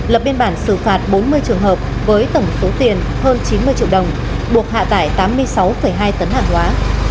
lập biên bản xử phạt bốn mươi trường hợp với tổng số tiền hơn chín mươi triệu đồng buộc hạ tải tám mươi sáu hai tấn hàng hóa